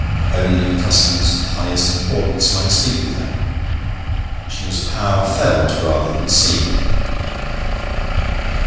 Only customers of the highest importance might speak with her. She was a power felt rather than seen.